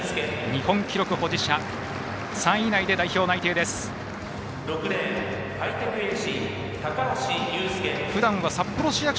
日本記録保持者３位以内で代表内定、泉谷。